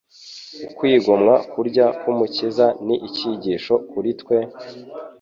Ukwigomwa kurya k’Umukiza ni icyigisho kuri twe,